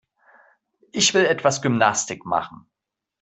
Ich will etwas Gymnastik machen.